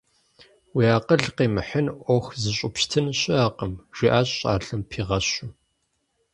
Уи акъыл къимыхьын Ӏуэху зыщӀупщытын щыӀэкъым, – жиӀащ щӀалэм пигъэщу.